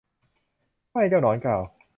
ไม่ เจ้าหนอนกล่าว